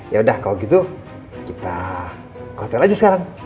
yaudah kalau gitu kita ke hotel aja sekarang